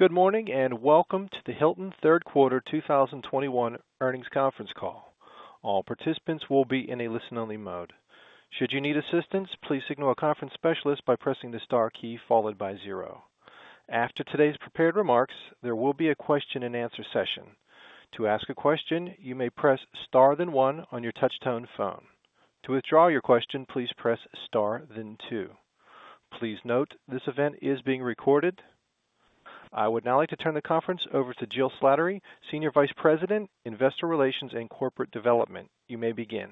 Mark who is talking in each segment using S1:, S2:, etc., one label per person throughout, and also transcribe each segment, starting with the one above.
S1: Good morning, and welcome to the Hilton third quarter 2021 earnings conference call. All participants will be in a listen-only mode. Should you need assistance, please signal a conference specialist by pressing the star key followed by zero. After today's prepared remarks, there will be a question-and-answer session. To ask a question, you may press star then one on your touchtone phone. To withdraw your question, please press star then two. Please note, this event is being recorded. I would now like to turn the conference over to Jill Slattery, Senior Vice President, Investor Relations and Corporate Development. You may begin.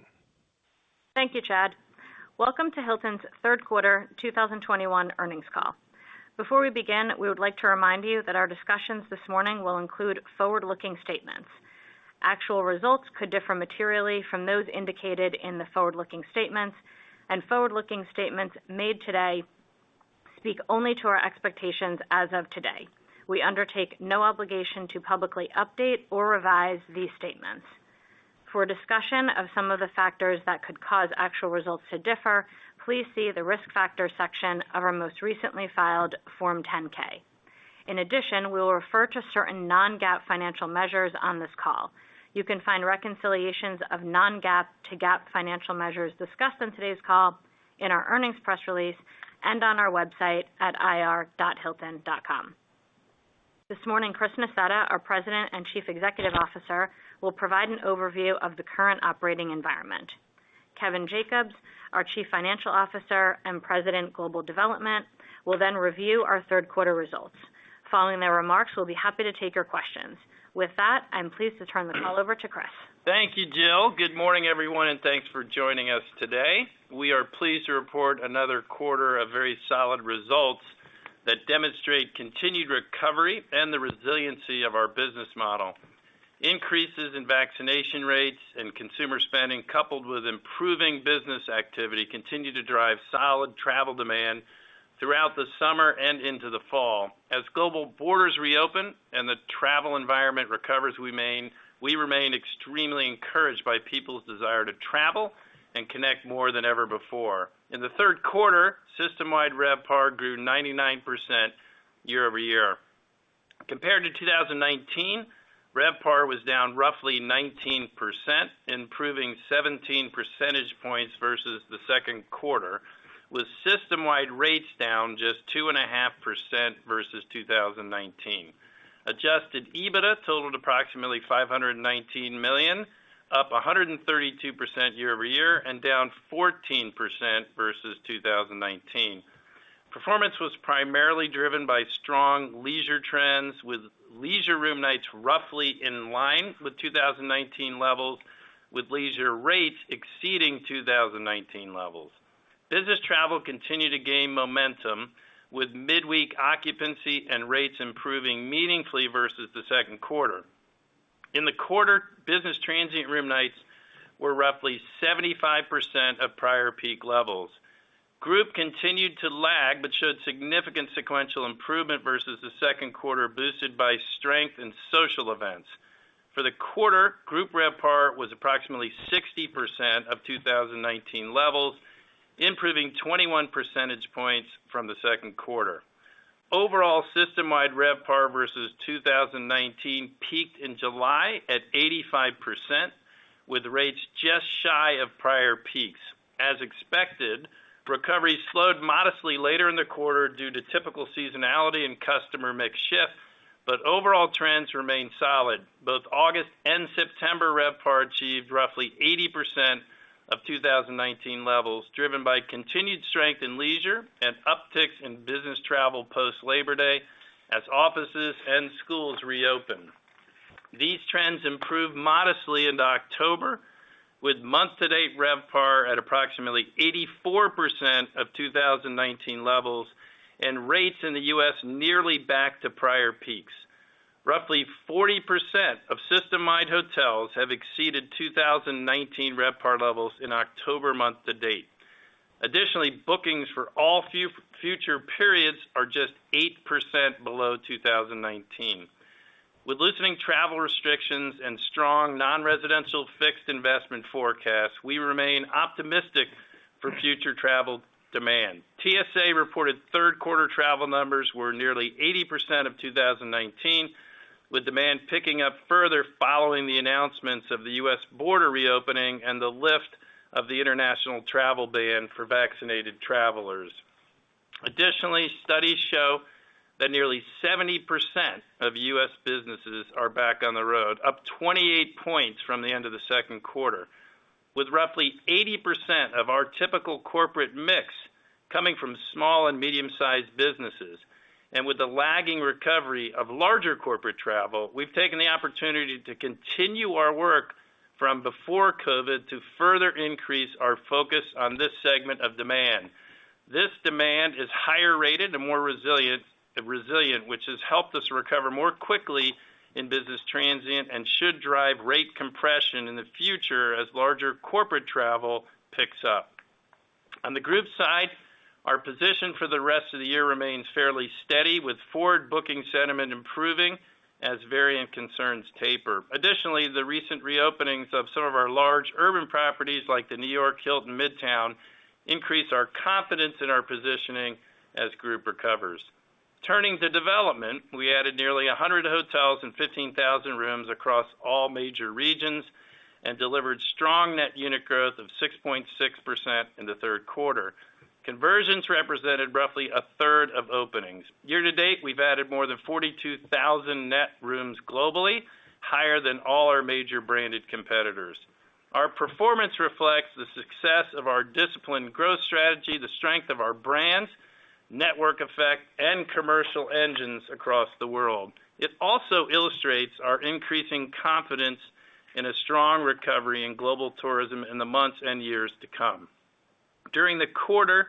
S2: Thank you, Chad. Welcome to Hilton's third quarter 2021 earnings call. Before we begin, we would like to remind you that our discussions this morning will include forward-looking statements. Actual results could differ materially from those indicated in the forward-looking statements, and forward-looking statements made today speak only to our expectations as of today. We undertake no obligation to publicly update or revise these statements. For a discussion of some of the factors that could cause actual results to differ, please see the Risk Factors section of our most recently filed Form 10-K. In addition, we will refer to certain non-GAAP financial measures on this call. You can find reconciliations of non-GAAP to GAAP financial measures discussed in today's call in our earnings press release and on our website at ir.hilton.com. This morning, Chris Nassetta, our President and Chief Executive Officer, will provide an overview of the current operating environment. Kevin Jacobs, our Chief Financial Officer and President, Global Development, will then review our third quarter results. Following their remarks, we'll be happy to take your questions. With that, I'm pleased to turn the call over to Chris.
S3: Thank you, Jill. Good morning, everyone, and thanks for joining us today. We are pleased to report another quarter of very solid results that demonstrate continued recovery and the resiliency of our business model. Increases in vaccination rates and consumer spending, coupled with improving business activity, continue to drive solid travel demand throughout the summer and into the fall. As global borders reopen and the travel environment recovers, we remain extremely encouraged by people's desire to travel and connect more than ever before. In the third quarter, system-wide RevPAR grew 99% year-over-year. Compared to 2019, RevPAR was down roughly 19%, improving 17 percentage points versus the second quarter, with system-wide rates down just 2.5% versus 2019. Adjusted EBITDA totaled approximately $519 million, up 132% year-over-year and down 14% versus 2019. Performance was primarily driven by strong leisure trends, with leisure room nights roughly in line with 2019 levels, with leisure rates exceeding 2019 levels. Business travel continued to gain momentum, with midweek occupancy and rates improving meaningfully versus the second quarter. In the quarter, business transient room nights were roughly 75% of prior peak levels. Group continued to lag but showed significant sequential improvement versus the second quarter, boosted by strength in social events. For the quarter, group RevPAR was approximately 60% of 2019 levels, improving 21 percentage points from the second quarter. Overall, system-wide RevPAR versus 2019 peaked in July at 85%, with rates just shy of prior peaks. As expected, recovery slowed modestly later in the quarter due to typical seasonality and customer mix shift, but overall trends remained solid. Both August and September RevPAR achieved roughly 80% of 2019 levels, driven by continued strength in leisure and upticks in business travel post-Labor Day as offices and schools reopened. These trends improved modestly into October, with month-to-date RevPAR at approximately 84% of 2019 levels and rates in the U.S. nearly back to prior peaks. Roughly 40% of system-wide hotels have exceeded 2019 RevPAR levels in October month to date. Additionally, bookings for all future periods are just 8% below 2019. With loosening travel restrictions and strong non-residential fixed investment forecasts, we remain optimistic for future travel demand. TSA reported third quarter travel numbers were nearly 80% of 2019, with demand picking up further following the announcements of the U.S. border reopening and the lift of the international travel ban for vaccinated travelers. Additionally, studies show that nearly 70% of U.S. businesses are back on the road, up 28 points from the end of the second quarter. With roughly 80% of our typical corporate mix coming from small and medium-sized businesses, and with the lagging recovery of larger corporate travel, we've taken the opportunity to continue our work from before COVID to further increase our focus on this segment of demand. This demand is higher rated and more resilient, which has helped us recover more quickly in business transient and should drive rate compression in the future as larger corporate travel picks up. On the group side, our position for the rest of the year remains fairly steady, with forward booking sentiment improving as variant concerns taper. Additionally, the recent reopenings of some of our large urban properties like the New York Hilton Midtown increase our confidence in our positioning as group recovers. Turning to development, we added nearly 100 hotels and 15,000 rooms across all major regions and delivered strong net unit growth of 6.6% in the third quarter. Conversions represented roughly a third of openings. Year to date, we've added more than 42,000 net rooms globally, higher than all our major branded competitors. Our performance reflects the success of our disciplined growth strategy, the strength of our brands, network effect, and commercial engines across the world. It also illustrates our increasing confidence in a strong recovery in global tourism in the months and years to come. During the quarter,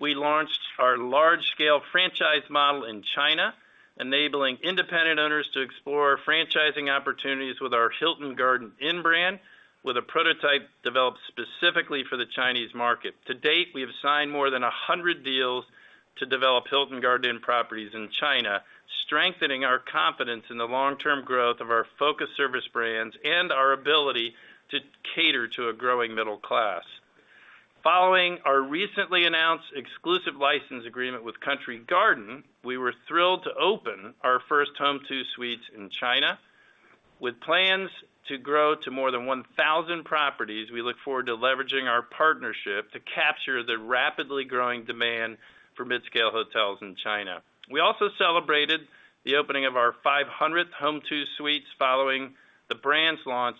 S3: we launched our large-scale franchise model in China, enabling independent owners to explore franchising opportunities with our Hilton Garden Inn brand, with a prototype developed specifically for the Chinese market. To date, we have signed more than 100 deals to develop Hilton Garden Inn properties in China, strengthening our confidence in the long-term growth of our focus service brands and our ability to cater to a growing middle class. Following our recently announced exclusive license agreement with Country Garden, we were thrilled to open our first Home2 Suites in China. With plans to grow to more than 1,000 properties, we look forward to leveraging our partnership to capture the rapidly growing demand for mid-scale hotels in China. We also celebrated the opening of our 500th Home2 Suites following the brand's launch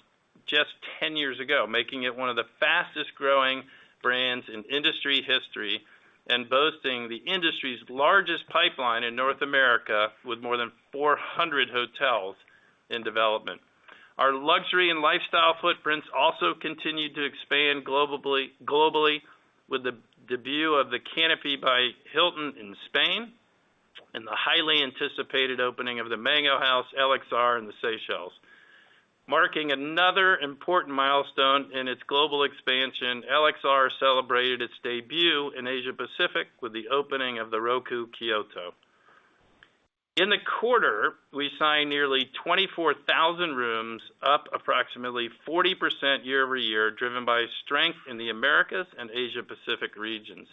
S3: just 10 years ago, making it one of the fastest-growing brands in industry history and boasting the industry's largest pipeline in North America with more than 400 hotels in development. Our luxury and lifestyle footprints also continued to expand globally with the debut of the Canopy by Hilton in Spain and the highly anticipated opening of the Mango House Seychelles, LXR Hotels & Resorts in the Seychelles. Marking another important milestone in its global expansion, LXR Hotels & Resorts celebrated its debut in Asia Pacific with the opening of the ROKU KYOTO. In the quarter, we signed nearly 24,000 rooms, up approximately 40% year-over-year, driven by strength in the Americas and Asia Pacific regions.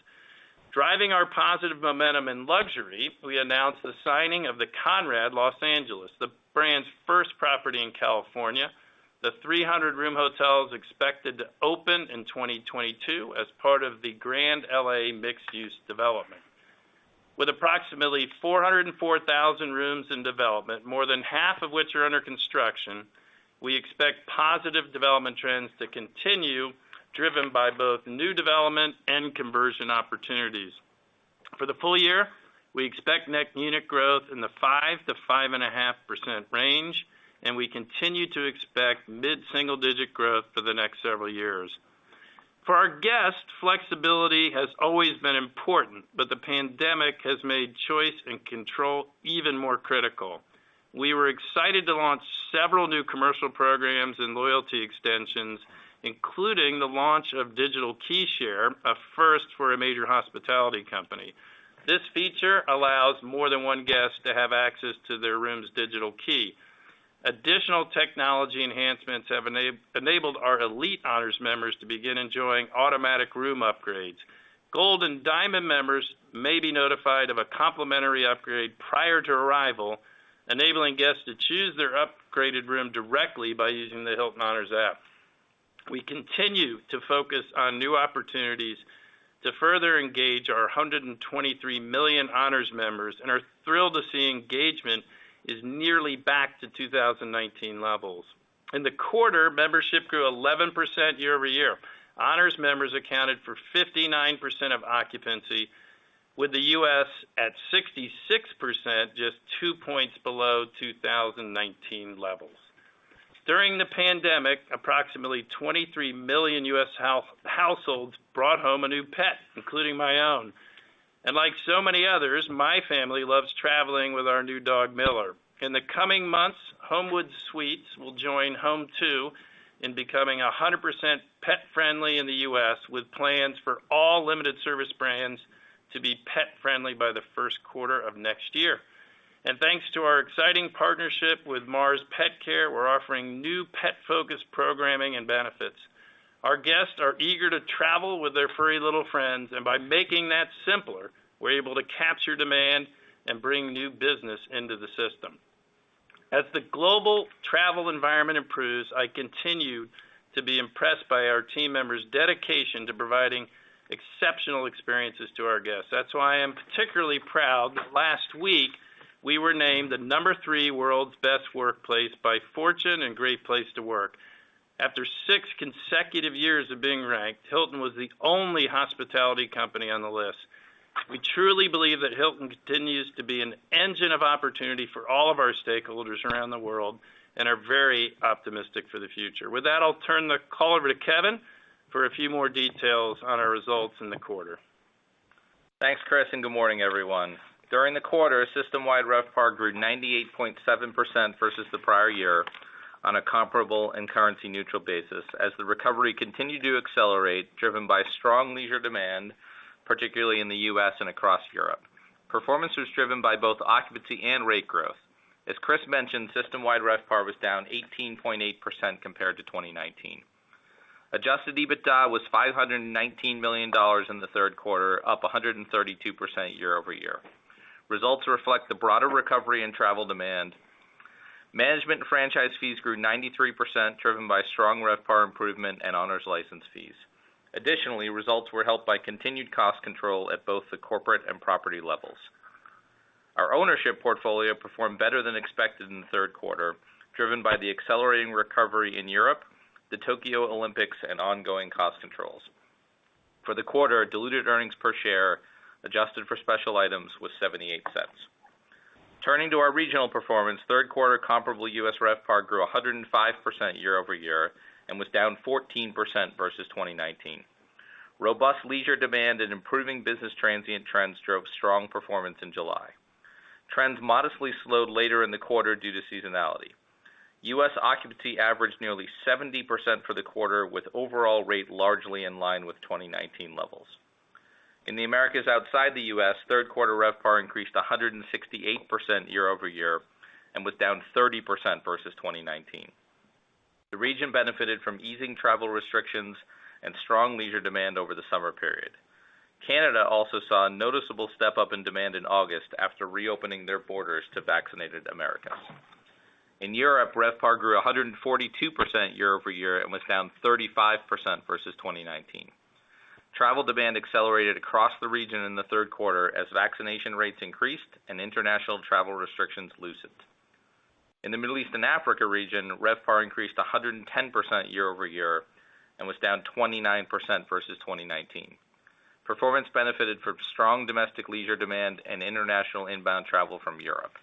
S3: Driving our positive momentum in luxury, we announced the signing of the Conrad Los Angeles, the brand's first property in California. The 300-room hotel is expected to open in 2022 as part of the Grand L.A. mixed-use development. With approximately 404,000 rooms in development, more than half of which are under construction, we expect positive development trends to continue, driven by both new development and conversion opportunities. For the full year, we expect net new unit growth in the 5%-5.5% range, and we continue to expect mid-single-digit growth for the next several years. For our guests, flexibility has always been important, but the pandemic has made choice and control even more critical. We were excited to launch several new commercial programs and loyalty extensions, including the launch of Digital Key Share, a first for a major hospitality company. This feature allows more than one guest to have access to their room's digital key. Additional technology enhancements have enabled our elite Honors members to begin enjoying automatic room upgrades. Gold and Diamond members may be notified of a complimentary upgrade prior to arrival, enabling guests to choose their upgraded room directly by using the Hilton Honors app. We continue to focus on new opportunities to further engage our 123 million Honors members and are thrilled to see engagement is nearly back to 2019 levels. In the quarter, membership grew 11% year-over-year. Honors members accounted for 59% of occupancy, with the U.S. at 66%, just 2 points below 2019 levels. During the pandemic, approximately 23 million U.S. households brought home a new pet, including my own. Like so many others, my family loves traveling with our new dog, Miller. In the coming months, Homewood Suites will join Home2 in becoming 100% pet-friendly in the U.S., with plans for all limited service brands to be pet-friendly by the first quarter of next year. Thanks to our exciting partnership with Mars Petcare, we're offering new pet-focused programming and benefits. Our guests are eager to travel with their furry little friends, and by making that simpler, we're able to capture demand and bring new business into the system. As the global travel environment improves, I continue to be impressed by our team members' dedication to providing exceptional experiences to our guests. That's why I'm particularly proud that last week, we were named the number 3 World's Best Workplace by Fortune and Great Place to Work. After 6 consecutive years of being ranked, Hilton was the only hospitality company on the list. We truly believe that Hilton continues to be an engine of opportunity for all of our stakeholders around the world and are very optimistic for the future. With that, I'll turn the call over to Kevin for a few more details on our results in the quarter.
S4: Thanks, Chris, and good morning, everyone. During the quarter, system-wide RevPAR grew 98.7% versus the prior year on a comparable and currency-neutral basis as the recovery continued to accelerate, driven by strong leisure demand particularly in the U.S. and across Europe. Performance was driven by both occupancy and rate growth. As Chris mentioned, system-wide RevPAR was down 18.8% compared to 2019. Adjusted EBITDA was $519 million in the third quarter, up 132% year-over-year. Results reflect the broader recovery in travel demand. Management and franchise fees grew 93%, driven by strong RevPAR improvement and owner's license fees. Additionally, results were helped by continued cost control at both the corporate and property levels. Our ownership portfolio performed better than expected in the third quarter, driven by the accelerating recovery in Europe, the Tokyo Olympics, and ongoing cost controls. For the quarter, diluted earnings per share, adjusted for special items, was $0.78. Turning to our regional performance, third quarter comparable U.S. RevPAR grew 105% year-over-year and was down 14% versus 2019. Robust leisure demand and improving business transient trends drove strong performance in July. Trends modestly slowed later in the quarter due to seasonality. U.S. occupancy averaged nearly 70% for the quarter, with overall rate largely in line with 2019 levels. In the Americas outside the U.S., third quarter RevPAR increased 168% year-over-year and was down 30% versus 2019. The region benefited from easing travel restrictions and strong leisure demand over the summer period. Canada also saw a noticeable step up in demand in August after reopening their borders to vaccinated Americans. In Europe, RevPAR grew 142% year-over-year and was down 35% versus 2019. Travel demand accelerated across the region in the third quarter as vaccination rates increased and international travel restrictions loosened. In the Middle East and Africa region, RevPAR increased 110% year-over-year and was down 29% versus 2019. Performance benefited from strong domestic leisure demand and international inbound travel from Europe.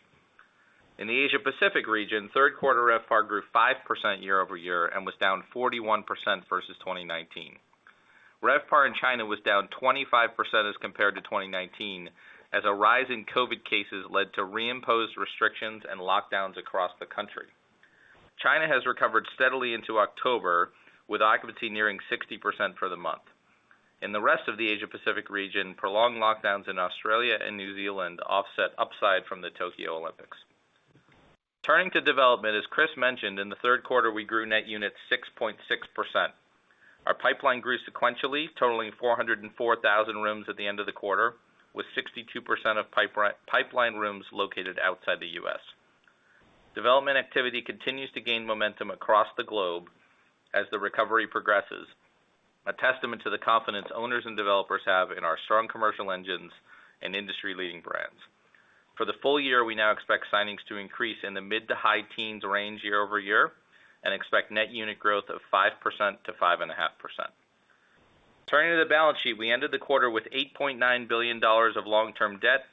S4: In the Asia Pacific region, third quarter RevPAR grew 5% year-over-year and was down 41% versus 2019. RevPAR in China was down 25% as compared to 2019 as a rise in COVID cases led to reimposed restrictions and lockdowns across the country. China has recovered steadily into October, with occupancy nearing 60% for the month. In the rest of the Asia Pacific region, prolonged lockdowns in Australia and New Zealand offset upside from the Tokyo Olympics. Turning to development, as Chris mentioned, in the third quarter, we grew net units 6.6%. Our pipeline grew sequentially, totaling 404,000 rooms at the end of the quarter, with 62% of pipeline rooms located outside the U.S. Development activity continues to gain momentum across the globe as the recovery progresses, a testament to the confidence owners and developers have in our strong commercial engines and industry-leading brands. For the full year, we now expect signings to increase in the mid- to high-teens range year-over-year and expect net unit growth of 5%-5.5%. Turning to the balance sheet, we ended the quarter with $8.9 billion of long-term debt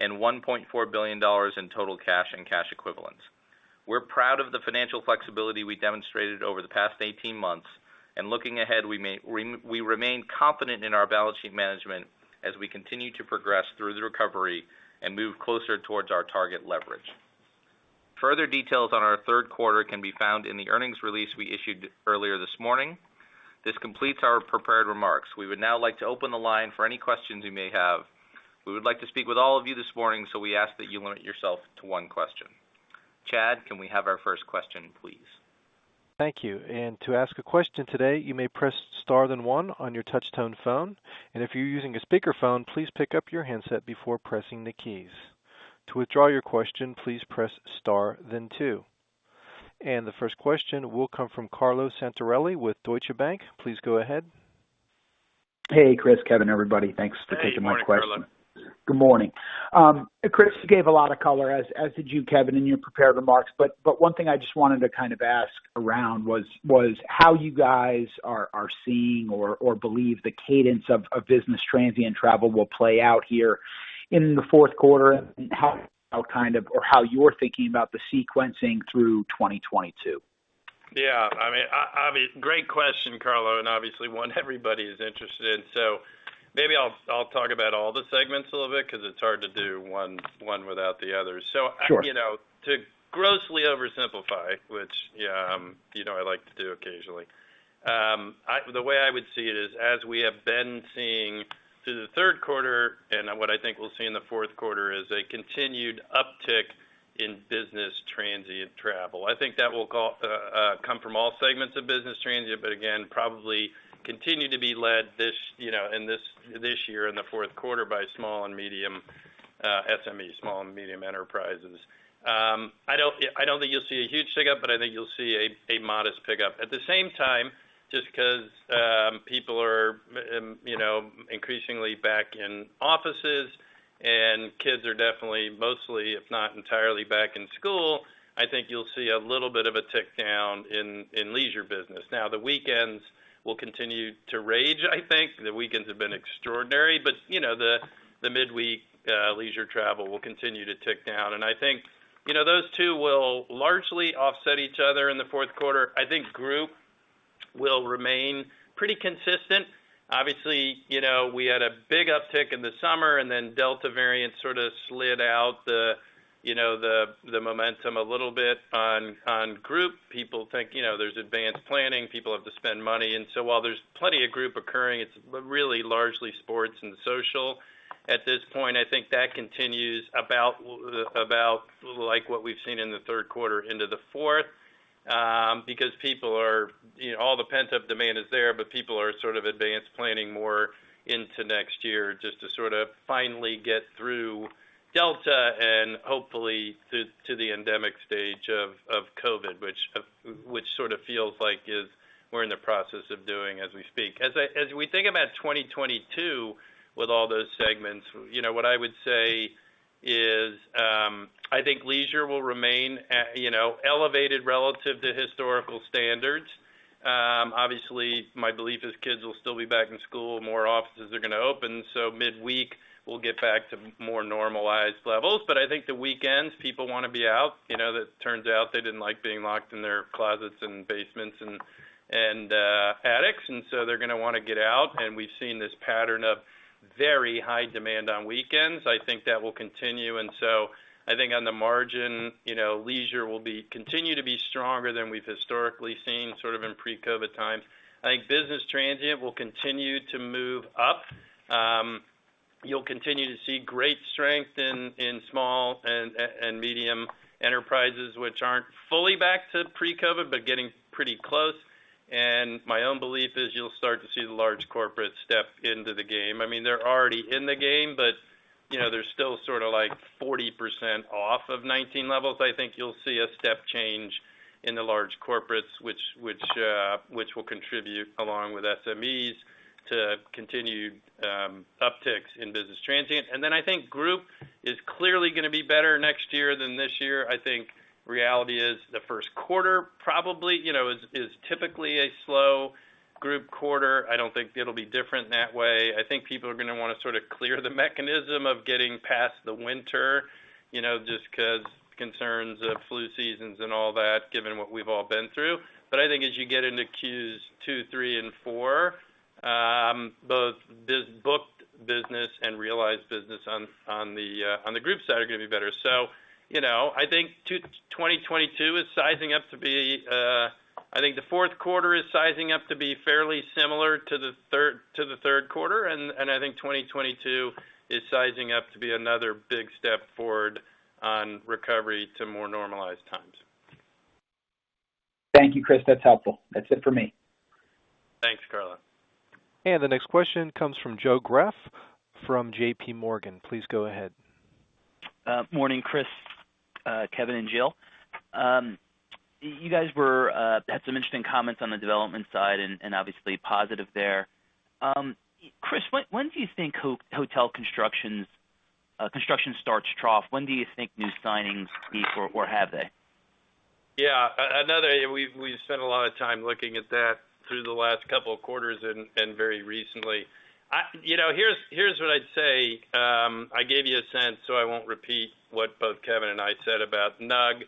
S4: and $1.4 billion in total cash and cash equivalents. We're proud of the financial flexibility we demonstrated over the past 18 months, and looking ahead, we remain confident in our balance sheet management as we continue to progress through the recovery and move closer towards our target leverage. Further details on our third quarter can be found in the earnings release we issued earlier this morning. This completes our prepared remarks. We would now like to open the line for any questions you may have. We would like to speak with all of you this morning, so we ask that you limit yourself to one question. Chad, can we have our first question, please?
S1: Thank you. To ask a question today, you may press star then one on your touch-tone phone. If you're using a speakerphone, please pick up your handset before pressing the keys. To withdraw your question, please press star then two. The first question will come from Carlo Santarelli with Deutsche Bank. Please go ahead.
S5: Hey, Chris, Kevin, everybody. Thanks for taking my question.
S4: Hey. Good morning, Carlo.
S5: Good morning. Chris gave a lot of color, as did you, Kevin, in your prepared remarks. One thing I just wanted to kind of ask around was how you guys are seeing or believe the cadence of business transient travel will play out here in the fourth quarter, and how kind of or how you're thinking about the sequencing through 2022?
S3: Yeah. I mean, great question, Carlo, and obviously one everybody is interested in. Maybe I'll talk about all the segments a little bit because it's hard to do one without the other.
S5: Sure....
S3: you know, to grossly oversimplify, which you know I like to do occasionally, the way I would see it is, as we have been seeing through the third quarter and what I think we'll see in the fourth quarter is a continued uptick in business transient travel. I think that will come from all segments of business transient, but again, probably continue to be led this year in the fourth quarter by small and medium SME, small and medium enterprises. I don't think you'll see a huge pickup, but I think you'll see a modest pickup. At the same time, just because people are, you know, increasingly back in offices and kids are definitely, mostly, if not entirely back in school, I think you'll see a little bit of a tick down in leisure business. Now, the weekends will continue to rage, I think. The weekends have been extraordinary, but, you know, the midweek leisure travel will continue to tick down. I think, you know, those two will largely offset each other in the fourth quarter. I think group will remain pretty consistent. Obviously, you know, we had a big uptick in the summer, and then Delta variant sort of slid out the You know, the momentum a little bit on group. People think, you know, there's advanced planning, people have to spend money. While there's plenty of group occurring, it's really largely sports and social. At this point, I think that continues about like what we've seen in the third quarter into the fourth, because you know, all the pent-up demand is there, but people are sort of advanced planning more into next year just to sort of finally get through Delta and hopefully to the endemic stage of COVID, which sort of feels like is we're in the process of doing as we speak. As we think about 2022 with all those segments, you know, what I would say is, I think leisure will remain at, you know, elevated relative to historical standards. Obviously, my belief is kids will still be back in school, more offices are gonna open, so midweek we'll get back to more normalized levels. I think the weekends, people wanna be out. You know, that turns out they didn't like being locked in their closets and basements and attics, and so they're gonna wanna get out. We've seen this pattern of very high demand on weekends. I think that will continue. I think on the margin, you know, leisure will continue to be stronger than we've historically seen, sort of in pre-COVID times. I think business transient will continue to move up. You'll continue to see great strength in small and medium enterprises which aren't fully back to pre-COVID, but getting pretty close. My own belief is you'll start to see the large corporate step into the game. I mean, they're already in the game, but, you know, they're still sort of like 40% off of 2019 levels. I think you'll see a step change in the large corporates, which will contribute along with SMEs to continue upticks in business transient. I think group is clearly gonna be better next year than this year. I think reality is the first quarter probably, you know, is typically a slow group quarter. I don't think it'll be different in that way. I think people are gonna wanna sort of clear the mechanism of getting past the winter, you know, just 'cause concerns of flu seasons and all that, given what we've all been through. I think as you get into Q2, Q3, and Q4, both this booked business and realized business on the group side are gonna be better. You know, I think 2022 is sizing up to be. I think the fourth quarter is sizing up to be fairly similar to the third quarter, and I think 2022 is sizing up to be another big step forward on recovery to more normalized times.
S5: Thank you, Chris. That's helpful. That's it for me.
S3: Thanks, Carlo.
S1: The next question comes from Joe Greff from JPMorgan. Please go ahead.
S6: Morning, Chris, Kevin, and Jill. You guys had some interesting comments on the development side and obviously positive there. Chris, when do you think hotel construction starts trough? When do you think new signings peak or have they?
S3: We've spent a lot of time looking at that through the last couple of quarters and very recently. You know, here's what I'd say. I gave you a sense, so I won't repeat what both Kevin and I said about NUG.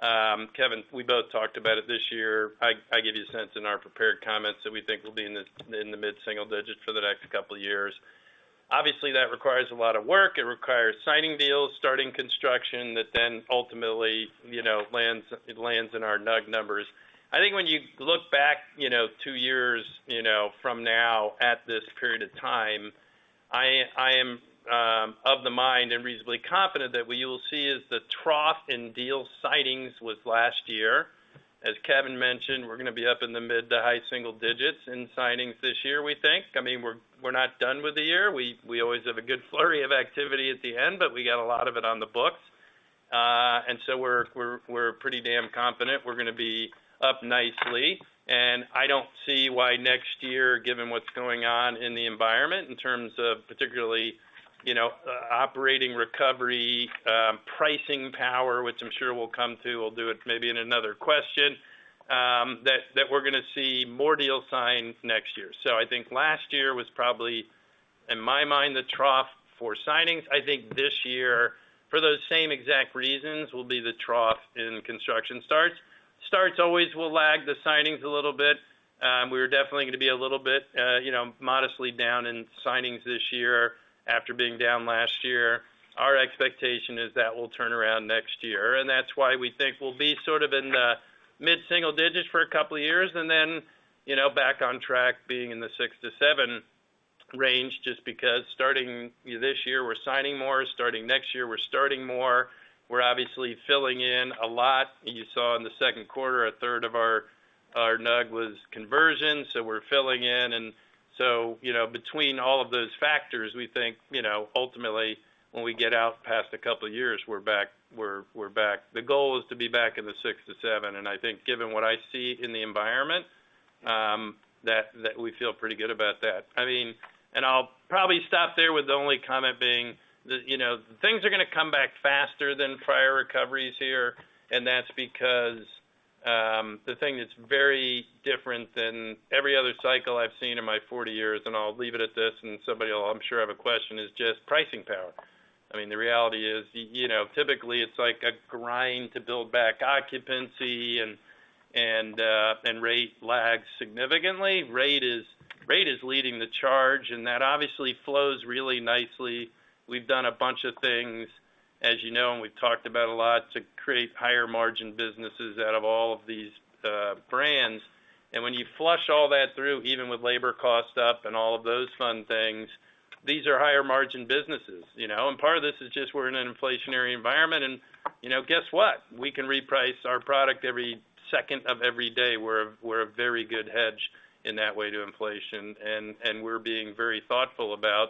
S3: Kevin, we both talked about it this year. I gave you a sense in our prepared comments that we think we'll be in the mid-single digits for the next couple of years. Obviously, that requires a lot of work. It requires signing deals, starting construction that then ultimately, you know, lands in our NUG numbers. I think when you look back, you know, two years, you know, from now at this period of time, I am of the mind and reasonably confident that what you'll see is the trough in deal signings was last year. As Kevin mentioned, we're gonna be up in the mid to high single digits in signings this year, we think. I mean, we're pretty damn confident we're gonna be up nicely. I don't see why next year, given what's going on in the environment in terms of particularly, you know, operating recovery, pricing power, which I'm sure we'll come to, we'll do it maybe in another question, that we're gonna see more deals signed next year. I think last year was probably, in my mind, the trough for signings. I think this year, for those same exact reasons, will be the trough in construction starts. Starts always will lag the signings a little bit. We're definitely gonna be a little bit, you know, modestly down in signings this year after being down last year. Our expectation is that we'll turn around next year, and that's why we think we'll be sort of in the mid-single digits for a couple of years and then, you know, back on track being in the 6%-7% range just because starting this year, we're signing more. Starting next year, we're starting more. We're obviously filling in a lot. You saw in the second quarter, a third of our NUG was conversion, so we're filling in. You know, between all of those factors, we think, you know, ultimately, when we get out past a couple of years, we're back. The goal is to be back in the 6%-7%, and I think given what I see in the environment, that we feel pretty good about that. I mean, I'll probably stop there with the only comment being that, you know, things are gonna come back faster than prior recoveries here, and that's because the thing that's very different than every other cycle I've seen in my 40 years, and I'll leave it at this, and somebody, I'm sure, will have a question, is just pricing power. I mean, the reality is, you know, typically it's like a grind to build back occupancy and rate lags significantly. Rate is leading the charge, and that obviously flows really nicely. We've done a bunch of things, as you know, and we've talked about a lot to create higher margin businesses out of all of these brands. When you flush all that through, even with labor costs up and all of those fun things, these are higher margin businesses, you know. Part of this is just we're in an inflationary environment and, you know, guess what? We can reprice our product every second of every day. We're a very good hedge in that way to inflation, and we're being very thoughtful about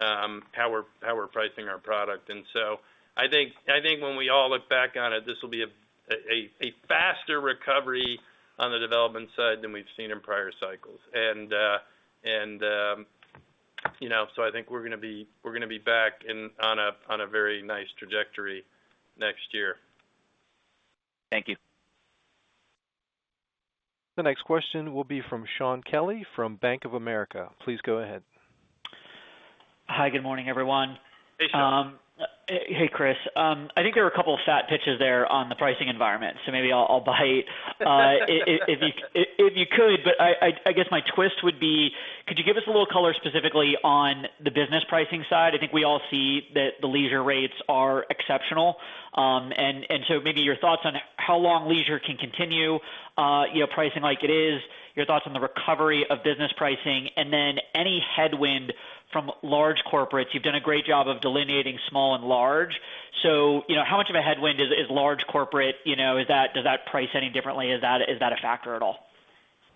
S3: how we're pricing our product. I think when we all look back on it, this will be a faster recovery on the development side than we've seen in prior cycles. You know, so I think we're gonna be back on a very nice trajectory next year.
S6: Thank you.
S1: The next question will be from Shaun Kelley from Bank of America. Please go ahead.
S7: Hi, good morning, everyone.
S3: Hey, Shaun.
S7: Hey, Chris. I think there were a couple of fat pitches there on the pricing environment, so maybe I'll bite. If you could, but I guess my twist would be, could you give us a little color specifically on the business pricing side? I think we all see that the leisure rates are exceptional. Maybe your thoughts on how long leisure can continue, you know, pricing like it is, your thoughts on the recovery of business pricing, and then any headwind from large corporates. You've done a great job of delineating small and large. You know, how much of a headwind is large corporate, you know, is that price any differently? Is that a factor at all?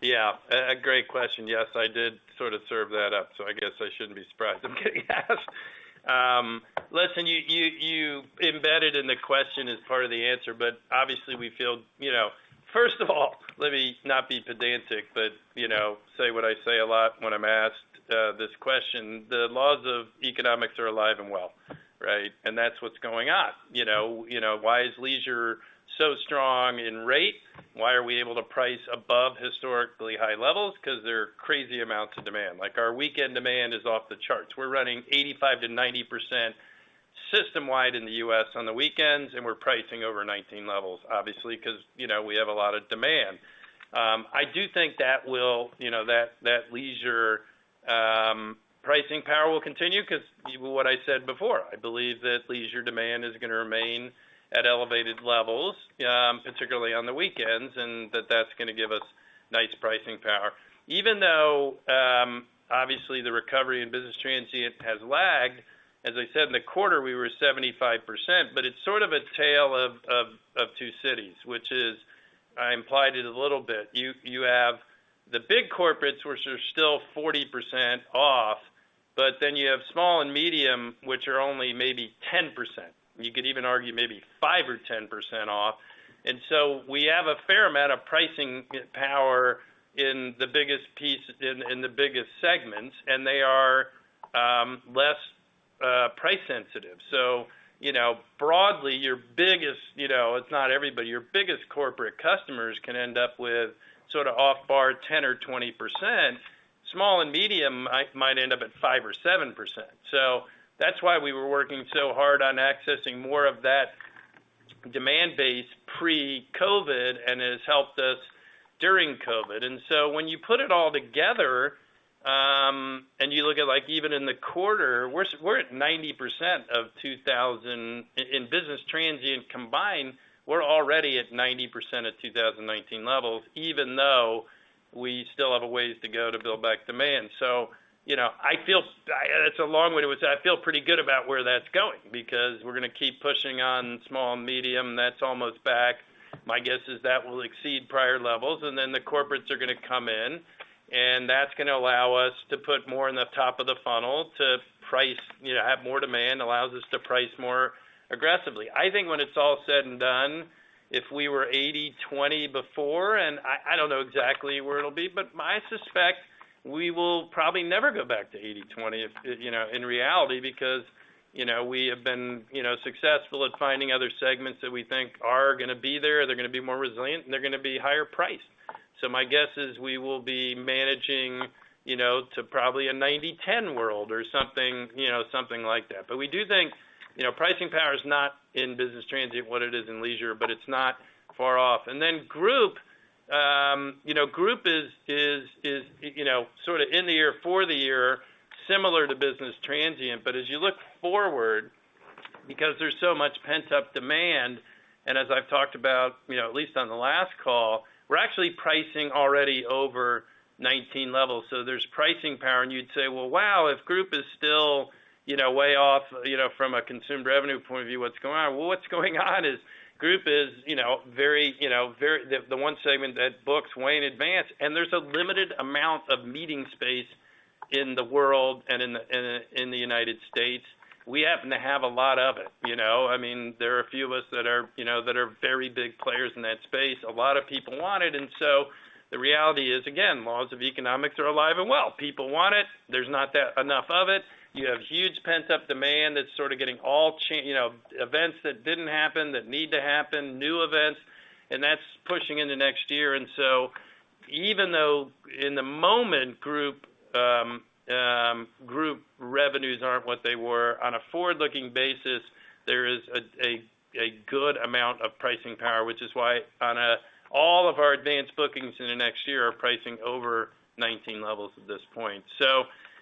S3: Yeah, a great question. Yes, I did sort of serve that up, so I guess I shouldn't be surprised I'm getting asked. Listen, you embedded in the question as part of the answer, but obviously we feel, you know. First of all, let me not be pedantic, but, you know, say what I say a lot when I'm asked this question, the laws of economics are alive and well, right? That's what's going on. You know, why is leisure so strong in rate? Why are we able to price above historically high levels? 'Cause there are crazy amounts of demand. Like, our weekend demand is off the charts. We're running 85%-90% system-wide in the U.S. on the weekends, and we're pricing over $190, obviously, because, you know, we have a lot of demand. I do think that will, you know, that leisure pricing power will continue because what I said before, I believe that leisure demand is gonna remain at elevated levels, particularly on the weekends, and that that's gonna give us nice pricing power. Even though, obviously the recovery in business transient has lagged, as I said in the quarter, we were 75%, but it's sort of a tale of two cities, which is, I implied it a little bit. You have the big corporates, which are still 40% off, but then you have small and medium, which are only maybe 10%. You could even argue maybe 5% or 10% off. We have a fair amount of pricing power in the biggest piece, in the biggest segments, and they are less price sensitive. You know, broadly, your biggest, you know, it's not everybody, your biggest corporate customers can end up with sort of off by 10% or 20%. Small and medium might end up at 5% or 7%. That's why we were working so hard on accessing more of that demand base pre-COVID, and it has helped us during COVID. When you put it all together, and you look at like even in the quarter, we're at 90% of 2019. In business transient combined, we're already at 90% of 2019 levels, even though we still have a ways to go to build back demand. You know, I feel it's a long way to go. I feel pretty good about where that's going because we're gonna keep pushing on small and medium, that's almost back. My guess is that will exceed prior levels. Then the corporates are gonna come in, and that's gonna allow us to put more in the top of the funnel to price, you know, have more demand, allows us to price more aggressively. I think when it's all said and done, if we were 80-20 before, and I don't know exactly where it'll be, but I suspect we will probably never go back to 80-20 if, you know, in reality because, you know, we have been, you know, successful at finding other segments that we think are gonna be there, they're gonna be more resilient, and they're gonna be higher priced. My guess is we will be managing, you know, to probably a 90-10 world or something, you know, something like that. We do think, you know, pricing power is not in business transient what it is in leisure, but it's not far off. Then group, you know, group is sort of in the year for the year similar to business transient. As you look forward, because there's so much pent-up demand, and as I've talked about, you know, at least on the last call, we're actually pricing already over 2019 levels. There's pricing power, and you'd say, "Well, wow, if group is still, you know, way off, you know, from a consumed revenue point of view, what's going on?" What's going on is group is, you know, very the one segment that books way in advance, and there's a limited amount of meeting space in the world and in the United States. We happen to have a lot of it, you know. I mean, there are a few of us that are, you know, that are very big players in that space. A lot of people want it. The reality is, again, laws of economics are alive and well. People want it. There's not enough of it. You have huge pent-up demand you know, events that didn't happen that need to happen, new events, and that's pushing into next year. Even though in the moment group revenues aren't what they were. On a forward-looking basis, there is a good amount of pricing power, which is why. All of our advanced bookings in the next year are pricing over 19 levels at this point.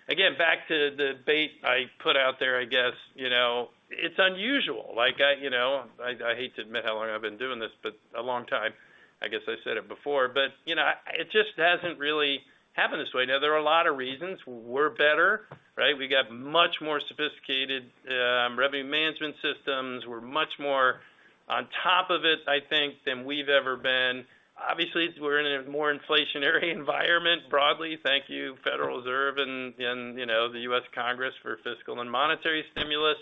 S3: Again, back to the debate I put out there, I guess, you know, it's unusual. Like, you know, I hate to admit how long I've been doing this, but a long time. I guess I said it before, but, you know, it just hasn't really happened this way. Now, there are a lot of reasons we're better, right? We got much more sophisticated revenue management systems. We're much more on top of it, I think, than we've ever been. Obviously, we're in a more inflationary environment broadly. Thank you, Federal Reserve, and, you know, the U.S. Congress for fiscal and monetary stimulus.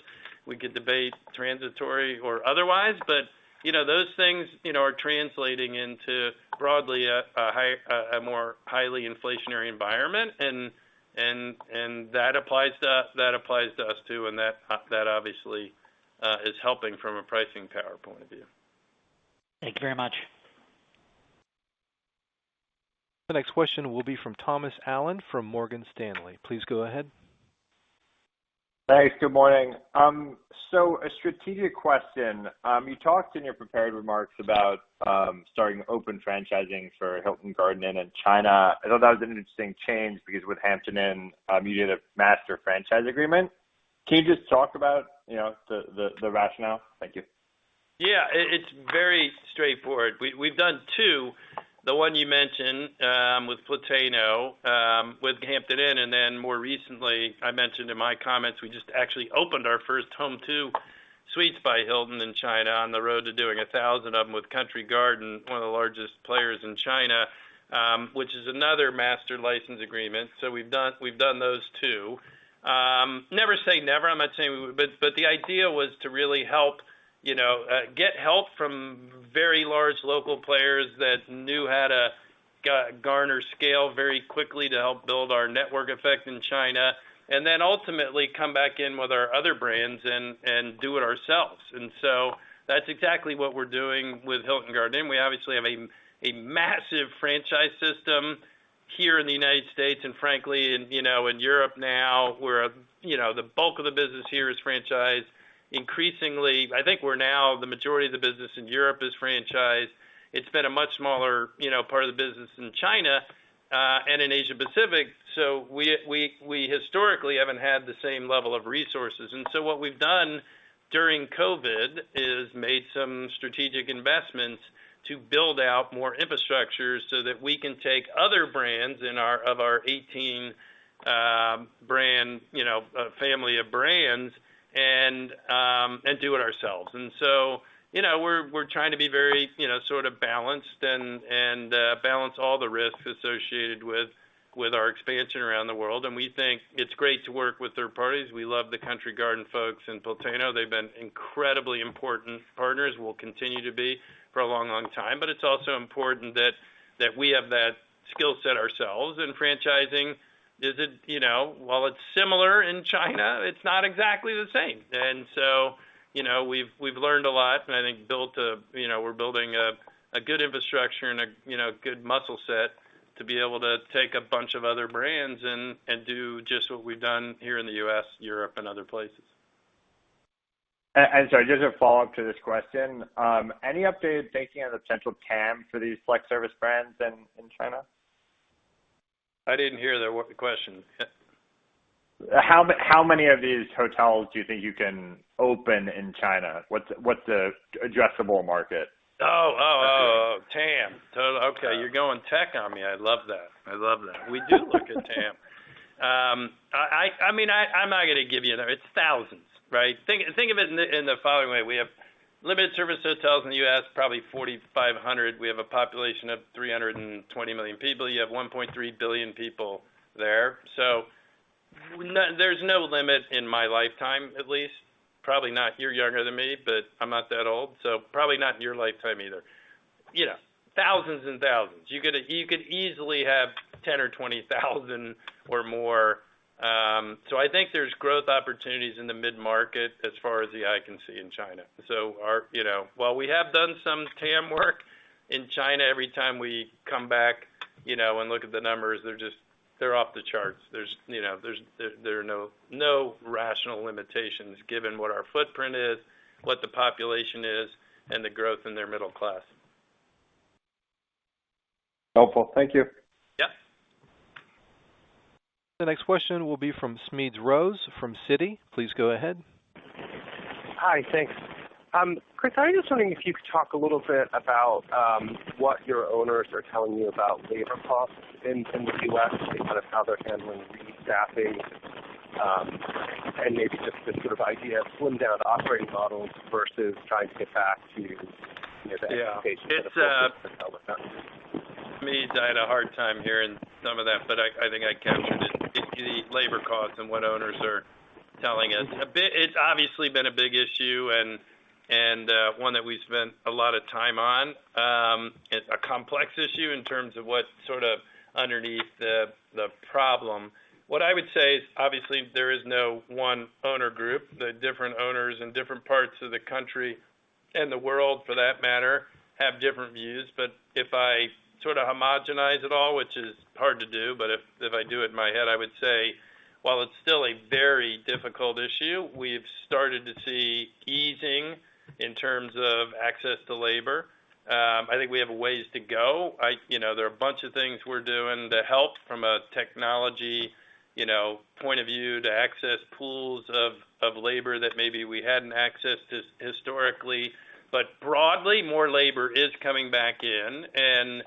S3: We could debate transitory or otherwise, but, you know, those things are translating into broadly a more highly inflationary environment. that applies to us too, and that obviously is helping from a pricing power point of view.
S7: Thank you very much.
S1: The next question will be from Thomas Allen from Morgan Stanley. Please go ahead.
S8: Thanks. Good morning. A strategic question. You talked in your prepared remarks about starting open franchising for Hilton Garden Inn in China. I thought that was an interesting change because with Hampton Inn, you did a master franchise agreement. Can you just talk about, you know, the rationale? Thank you.
S3: Yeah. It's very straightforward. We've done 2, the one you mentioned, with Plateno, with Hampton Inn, and then more recently, I mentioned in my comments, we just actually opened our first Home2 Suites by Hilton in China on the road to doing 1,000 of them with Country Garden, one of the largest players in China, which is another master license agreement. We've done those 2. Never say never. I'm not saying we would, but the idea was to really help, you know, get help from very large local players that knew how to garner scale very quickly to help build our network effect in China. Then ultimately come back in with our other brands and do it ourselves. That's exactly what we're doing with Hilton Garden Inn. We obviously have a massive franchise system here in the United States and frankly in you know in Europe now, where you know the bulk of the business here is franchised. Increasingly, I think we're now the majority of the business in Europe is franchised. It's been a much smaller you know part of the business in China and in Asia-Pacific. So we historically haven't had the same level of resources. What we've done during COVID is made some strategic investments to build out more infrastructure so that we can take other brands of our 18 brand you know family of brands and do it ourselves. You know, we're trying to be very you know sort of balanced and balance all the risks associated with our expansion around the world. We think it's great to work with third parties. We love the Country Garden folks and Plateno. They've been incredibly important partners, will continue to be for a long, long time. It's also important that we have that skill set ourselves. Franchising is it, you know. While it's similar in China, it's not exactly the same. You know, we've learned a lot and I think built a, you know, we're building a good infrastructure and a, you know, good muscle set to be able to take a bunch of other brands and do just what we've done here in the U.S., Europe, and other places.
S8: Sorry, just a follow-up to this question. Any updates based on the potential TAM for these focused service brands in China?
S3: I didn't hear the question.
S8: How many of these hotels do you think you can open in China? What's the addressable market?
S3: Oh, oh. TAM. Okay, you're going tech on me. I love that. We do look at TAM. I mean, I'm not gonna give you the. It's thousands, right? Think of it in the following way. We have limited service hotels in the U.S., probably 4,500. We have a population of 320 million people. You have 1.3 billion people there. So there's no limit in my lifetime, at least. Probably not. You're younger than me, but I'm not that old, so probably not in your lifetime either. You know, thousands and thousands. You could easily have 10,000 or 20,000 or more. I think there's growth opportunities in the mid-market as far as the eye can see in China. So our, you know. While we have done some TAM work in China, every time we come back, you know, and look at the numbers, they're just off the charts. You know, there are no rational limitations given what our footprint is, what the population is, and the growth in their middle class.
S8: Helpful. Thank you.
S3: Yeah.
S1: The next question will be from Smedes Rose from Citi. Please go ahead.
S9: Hi. Thanks. Chris, I was just wondering if you could talk a little bit about what your owners are telling you about labor costs in the U.S. and kind of how they're handling restaffing, and maybe just the sort of idea of slimmed down operating models versus trying to get back to, you know, the education
S3: Yeah. I had a hard time hearing some of that, but I think I captured it. It's the labor costs and what owners are telling us. It's obviously been a big issue and one that we spent a lot of time on. It's a complex issue in terms of what's sort of underneath the problem. What I would say is obviously there is no one owner group. The different owners in different parts of the country and the world, for that matter, have different views, but if I sort of homogenize it all, which is hard to do, but if I do it in my head, I would say while it's still a very difficult issue, we've started to see easing in terms of access to labor. I think we have a ways to go. You know, there are a bunch of things we're doing to help from a technology, you know, point of view to access pools of labor that maybe we hadn't accessed historically. But broadly, more labor is coming back in, and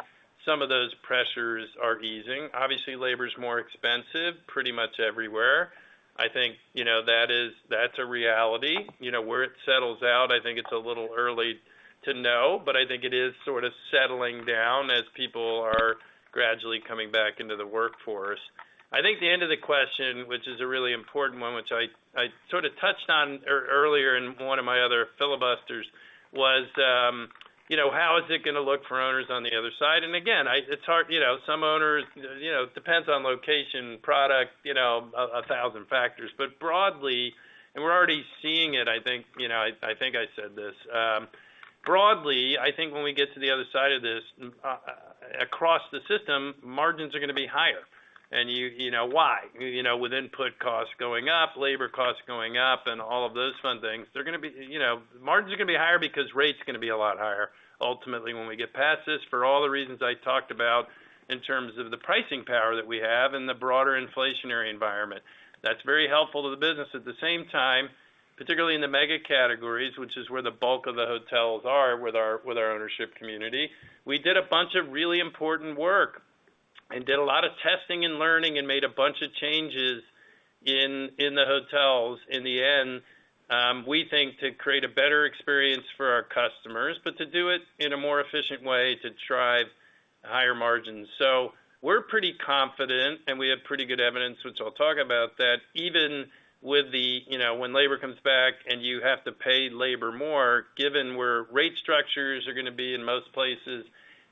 S3: some of those pressures are easing. Obviously, labor is more expensive pretty much everywhere. I think, you know, that is, that's a reality. You know, where it settles out, I think it's a little early to know, but I think it is sort of settling down as people are gradually coming back into the workforce. I think the end of the question, which is a really important one, which I sort of touched on earlier in one of my other filibusters, was, you know, how is it gonna look for owners on the other side? It's hard, you know. Some owners, you know, depends on location, product, you know, a thousand factors. Broadly, we're already seeing it. I think I said this. Broadly, I think when we get to the other side of this, across the system, margins are gonna be higher. You know why. You know, with input costs going up, labor costs going up, and all of those fun things, margins are gonna be higher because rates are gonna be a lot higher ultimately when we get past this for all the reasons I talked about in terms of the pricing power that we have and the broader inflationary environment. That's very helpful to the business. At the same time, particularly in the mega categories, which is where the bulk of the hotels are with our ownership community, we did a bunch of really important work and did a lot of testing and learning and made a bunch of changes in the hotels in the end, we think to create a better experience for our customers, but to do it in a more efficient way to drive higher margins. We're pretty confident, and we have pretty good evidence, which I'll talk about, that even with the you know, when labor comes back and you have to pay labor more, given where rate structures are gonna be in most places,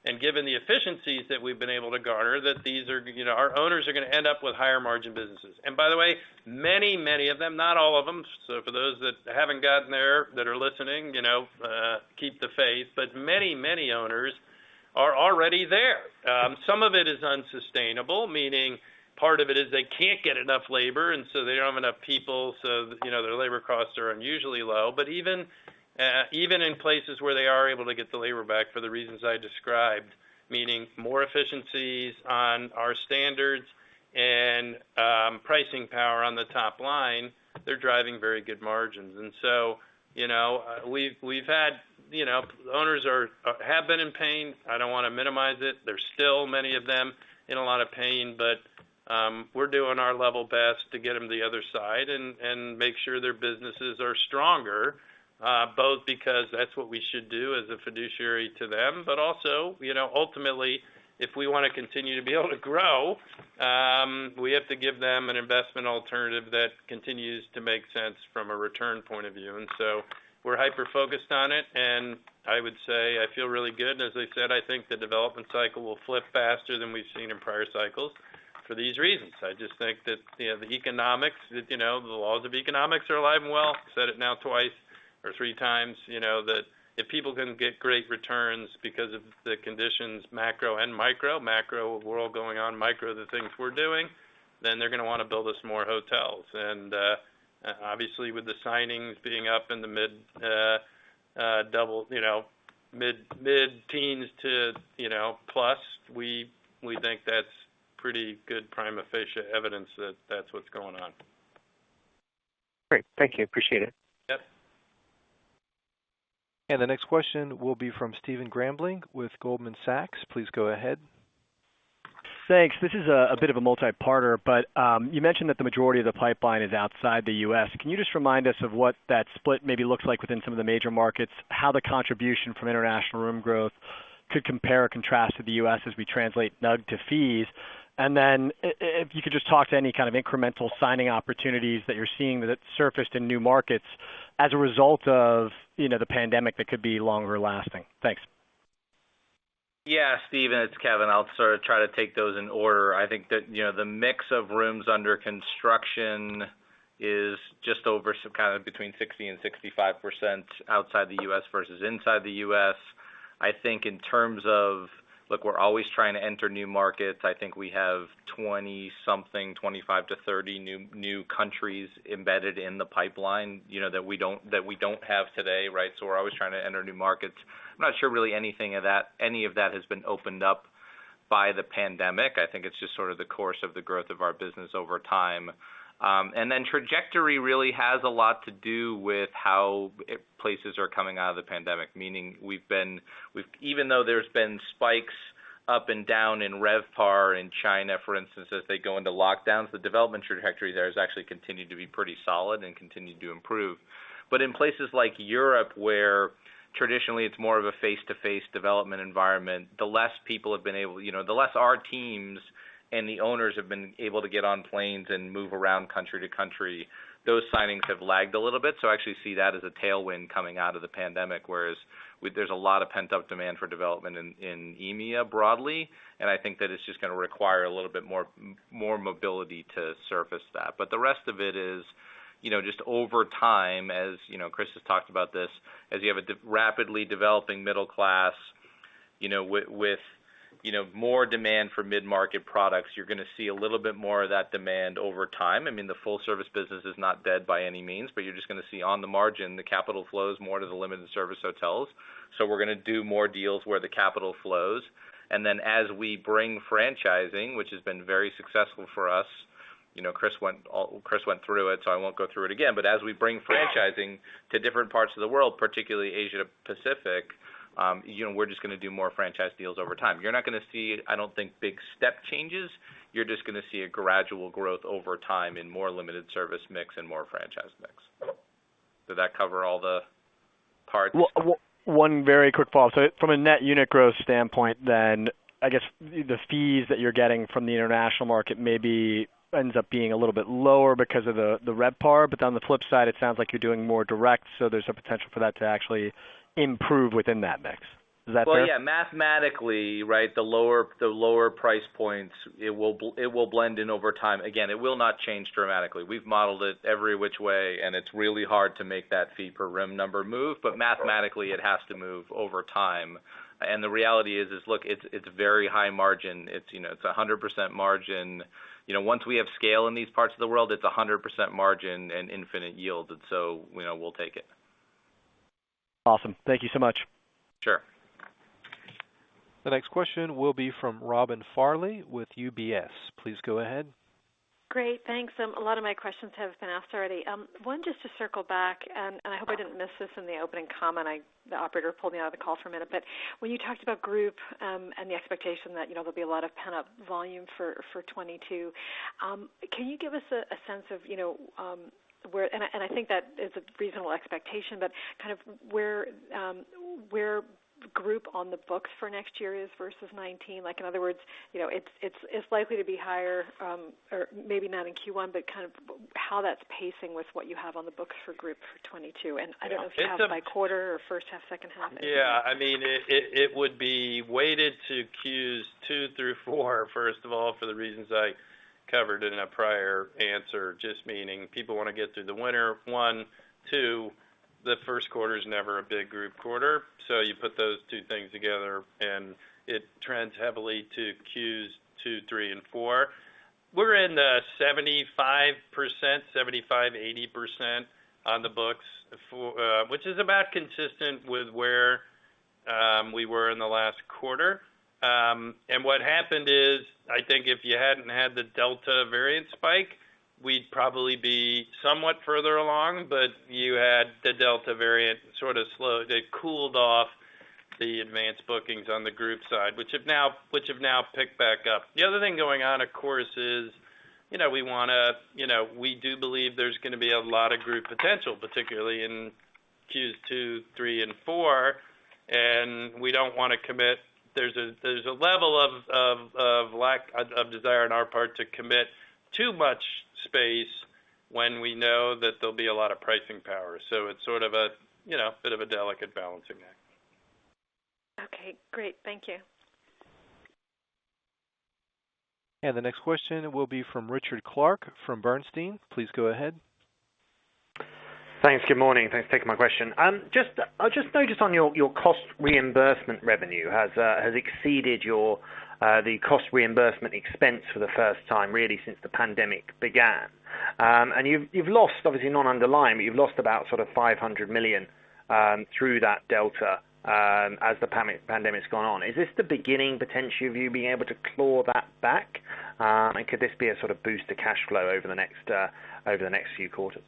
S3: and given the efficiencies that we've been able to garner, that these are you know, our owners are gonna end up with higher margin businesses. By the way, many, many of them, not all of them, so for those that haven't gotten there that are listening, you know, keep the faith, but many, many owners are already there. Some of it is unsustainable, meaning part of it is they can't get enough labor, and so they don't have enough people, so, you know, their labor costs are unusually low. Even, even in places where they are able to get the labor back for the reasons I described, meaning more efficiencies on our standards and, pricing power on the top line, they're driving very good margins. You know, we've had, you know, owners have been in pain. I don't wanna minimize it. There's still many of them in a lot of pain, but we're doing our level best to get them the other side and make sure their businesses are stronger, both because that's what we should do as a fiduciary to them, but also, you know, ultimately, if we wanna continue to be able to grow, we have to give them an investment alternative that continues to make sense from a return point of view. We're hyper-focused on it, and I would say I feel really good. As I said, I think the development cycle will flip faster than we've seen in prior cycles for these reasons. I just think that, you know, the economics, you know, the laws of economics are alive and well. said it now twice or three times, you know, that if people can get great returns because of the conditions, macro and micro, macro of world going on, micro the things we're doing, then they're gonna wanna build us more hotels. Obviously, with the signings being up in the mid double, you know, mid-teens to, you know, plus, we think that's pretty good prima facie evidence that that's what's going on.
S9: Great. Thank you. Appreciate it.
S3: Yep.
S1: The next question will be from Stephen Grambling with Goldman Sachs. Please go ahead.
S10: Thanks. This is a bit of a multi-parter, but you mentioned that the majority of the pipeline is outside the U.S. Can you just remind us of what that split maybe looks like within some of the major markets, how the contribution from international room growth could compare or contrast to the U.S. as we translate NUG to fees? And then if you could just talk to any kind of incremental signing opportunities that you're seeing that surfaced in new markets as a result of, you know, the pandemic that could be longer lasting. Thanks.
S4: Yeah, Stephen, it's Kevin. I'll sort of try to take those in order. I think that, you know, the mix of rooms under construction is just over some kind of between 60%-65% outside the U.S. versus inside the U.S. I think in terms of. Look, we're always trying to enter new markets. I think we have 20-something, 25-30 new countries embedded in the pipeline, you know, that we don't have today, right? We're always trying to enter new markets. I'm not sure really anything of that, any of that, has been opened up by the pandemic. I think it's just sort of the course of the growth of our business over time. Trajectory really has a lot to do with how places are coming out of the pandemic, meaning even though there's been spikes up and down in RevPAR in China, for instance, as they go into lockdowns, the development trajectory there has actually continued to be pretty solid and continued to improve. In places like Europe, where traditionally it's more of a face-to-face development environment, the less people have been able, you know, the less our teams and the owners have been able to get on planes and move around country to country, those signings have lagged a little bit. I actually see that as a tailwind coming out of the pandemic, whereas There's a lot of pent-up demand for development in EMEA broadly, and I think that it's just gonna require a little bit more mobility to surface that. The rest of it is, you know, just over time, as you know, Chris has talked about this, as you have a rapidly developing middle class, you know, with, you know, more demand for mid-market products, you're gonna see a little bit more of that demand over time. I mean, the full service business is not dead by any means, but you're just gonna see on the margin, the capital flows more to the limited service hotels. We're gonna do more deals where the capital flows. Then as we bring franchising, which has been very successful for us, you know, Chris went through it, so I won't go through it again. As we bring franchising to different parts of the world, particularly Asia-Pacific, you know, we're just gonna do more franchise deals over time. You're not gonna see, I don't think, big step changes. You're just gonna see a gradual growth over time in more limited service mix and more franchise mix. Did that cover all the parts?
S10: One very quick follow-up. From a net unit growth standpoint then, I guess the fees that you're getting from the international market maybe ends up being a little bit lower because of the RevPAR. On the flip side, it sounds like you're doing more direct, so there's a potential for that to actually improve within that mix. Is that fair?
S4: Well, yeah, mathematically, right, the lower price points, it will blend in over time. Again, it will not change dramatically. We've modeled it every which way, and it's really hard to make that fee per room number move. Mathematically, it has to move over time. The reality is, look, it's very high margin. You know, it's a 100% margin. You know, once we have scale in these parts of the world, it's a 100% margin and infinite yield. You know, we'll take it.
S10: Awesome. Thank you so much.
S4: Sure.
S1: The next question will be from Robin Farley with UBS. Please go ahead.
S11: Great. Thanks. A lot of my questions have been asked already. One, just to circle back, and I hope I didn't miss this in the opening comment. The operator pulled me out of the call for a minute. When you talked about group, and the expectation that, you know, there'll be a lot of pent-up volume for 2022, can you give us a sense of, you know, where. I think that is a reasonable expectation, but kind of where group on the books for next year is versus 2019. Like, in other words, you know, it's likely to be higher, or maybe not in Q1, but kind of how that's pacing with what you have on the books for group for 2022. I don't know if you have by quarter or first half, second half, anything.
S3: Yeah. I mean, it would be weighted to Q2 through Q4, first of all, for the reasons I covered in a prior answer, just meaning people wanna get through the winter, one. Two, the first quarter is never a big group quarter. You put those two things together, and it trends heavily to Q2, Q3 and Q4. We're in 75%-80% on the books for, which is about consistent with where we were in the last quarter. And what happened is, I think if you hadn't had the Delta variant spike, we'd probably be somewhat further along. You had the Delta variant sort of slowed. It cooled off the advanced bookings on the group side, which have now picked back up.
S4: The other thing going on, of course, is you know, we wanna you know, we do believe there's gonna be a lot of group potential, particularly in Q2, Q3 and Q4. We don't wanna commit. There's a level of lack of desire on our part to commit too much space when we know that there'll be a lot of pricing power. It's sort of a you know bit of a delicate balancing act.
S11: Okay, great. Thank you.
S1: The next question will be from Richard Clarke from Bernstein. Please go ahead.
S12: Thanks. Good morning. Thanks for taking my question. I just noticed on your cost reimbursement revenue has exceeded the cost reimbursement expense for the first time, really, since the pandemic began. You've lost obviously non-underlying, but you've lost about sort of $500 million through that delta as the pandemic's gone on. Is this the beginning potentially of you being able to claw that back? Could this be a sort of boost to cash flow over the next few quarters?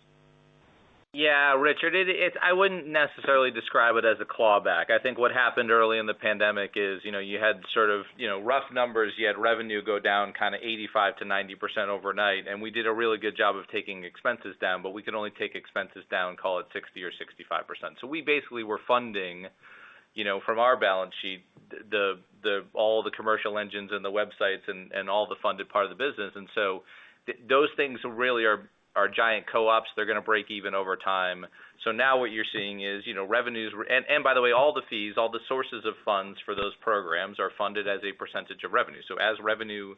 S4: Yeah, Richard, it's, I wouldn't necessarily describe it as a clawback. I think what happened early in the pandemic is, you know, you had sort of, you know, rough numbers. You had revenue go down kinda 85%-90% overnight, and we did a really good job of taking expenses down, but we could only take expenses down, call it 60% or 65%. We basically were funding, you know, from our balance sheet, all the commercial engines and the websites and all the funded part of the business. Those things really are giant co-ops. They're gonna break even over time. Now what you're seeing is, you know, revenues. By the way, all the fees, all the sources of funds for those programs are funded as a percentage of revenue. As revenue